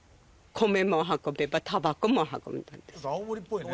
青森っぽいね。